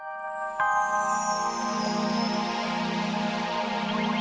mau dia sekarat